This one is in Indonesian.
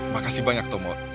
makasih banyak tomo